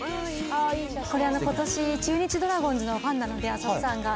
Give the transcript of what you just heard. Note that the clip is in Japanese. これ、ことし、中日ドラゴンズのファンなので、浅尾さんが。